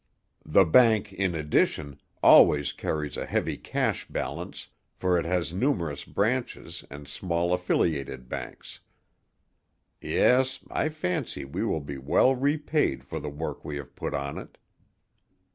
The bank, in addition, always carries a heavy cash balance, for it has numerous branches and small affiliated banks. Yes—I fancy we will be well repaid for the work we have put on it."